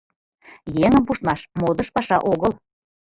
— Еҥым пуштмаш модыш паша огыл...